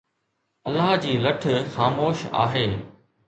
الله جي لٺ خاموش آهي.